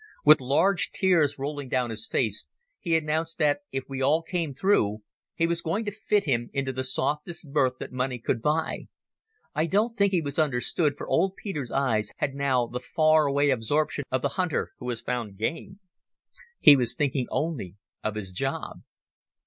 With large tears rolling down his face he announced that, if we all came through, he was going to fit him into the softest berth that money could buy. I don't think he was understood, for old Peter's eyes had now the faraway absorption of the hunter who has found game. He was thinking only of his job.